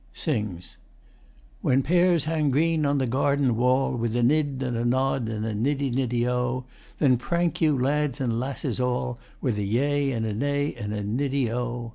When pears hang green on the garden wall With a nid, and a nod, and a niddy niddy o Then prank you, lads and lasses all, With a yea and a nay and a niddy o.